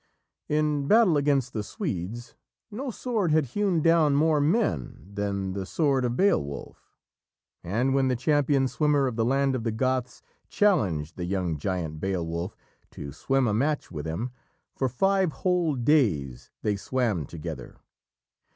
In battle against the Swedes, no sword had hewn down more men than the sword of Beowulf. And when the champion swimmer of the land of the Goths challenged the young giant Beowulf to swim a match with him, for five whole days they swam together.